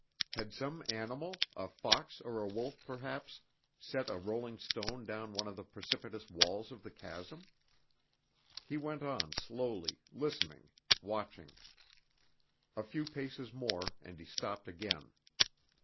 Had some animal, a fox or a wolf, perhaps, set a stone rolling down one of the precipitous walls of the chasm? He went on slowly, listening, watching. A few paces more and he stopped again.